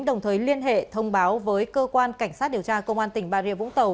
đồng thời liên hệ thông báo với cơ quan cảnh sát điều tra công an tỉnh bà rịa vũng tàu